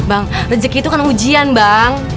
bang rejeki itu kan ujian bang